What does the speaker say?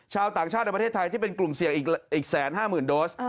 ชาวต่างชาติในประเทศไทยที่เป็นกลุ่มเสี่ยงอีก๑๕๐๐๐โดส